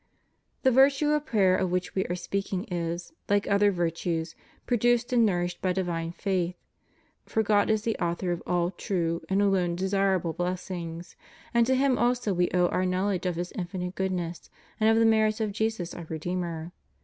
The virtue of prayer of which we are speaking is, like other virtues, produced and nourished by divine faith. For God is the author of all true and alone desirable blessings; and to Him also we owe our knowledge of His infinite goodness, and of the merits of Jesus our Re deemer.